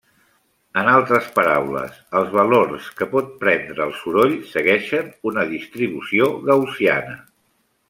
En altres paraules, els valors que pot prendre el soroll segueixen una distribució gaussiana.